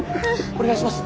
お願いします。